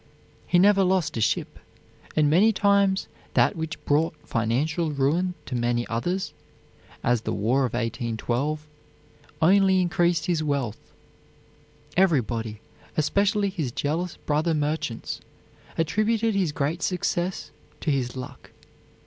He never lost a ship, and many times that which brought financial ruin to many others, as the War of 1812, only increased his wealth. Everybody, especially his jealous brother merchants, attributed his great success to his luck.